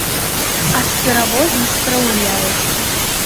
А з перавозам спраўляецца.